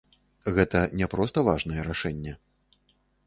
Гэта не проста важнае рашэнне.